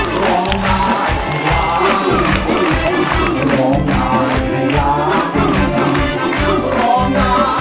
ได้ครับทุกคน